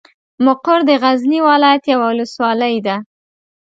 مقر د غزني ولايت یوه ولسوالۍ ده.